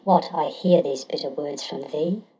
What, I hear these bitter words from thee?